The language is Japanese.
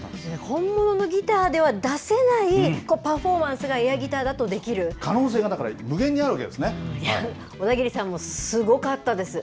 本物のギターでは出せないパフォーマンスが、エアギターだと可能性がだから、無限にある小田切さんもすごかったです。